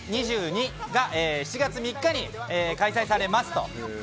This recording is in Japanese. ’２２が７月３日に開催されます。